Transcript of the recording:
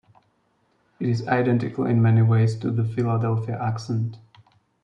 It is identical in many ways to the Philadelphia accent.